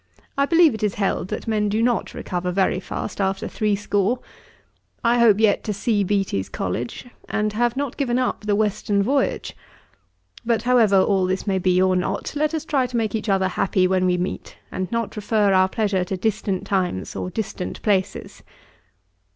I believe it is held, that men do not recover very fast after threescore. I hope yet to see Beattie's College: and have not given up the western voyage. But however all this may be or not, let us try to make each other happy when we meet, and not refer our pleasure to distant times or distant places.